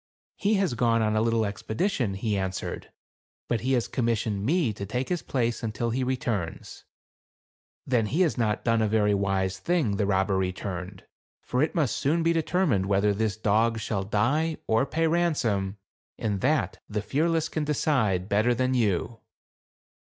" He has gone on a little expedition," he answered, "but he has commis sioned me to take his place until he returns." " Then he has not done a very wise thing," the robber returned, "for it must soon be determined whether this dog shall die, or pay ransom, THE CAB AVAN. 165 and that the Fearless can decide better than you."